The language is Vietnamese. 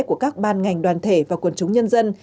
của các ban ngành đoàn thể và quần chúng nhân dân